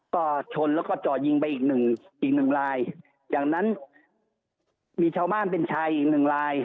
ก็ชนแล้วก็จ่อยิงไปอีกหนึ่งอีกหนึ่งลายจากนั้นมีชาวบ้านเป็นชายอีกหนึ่งลาย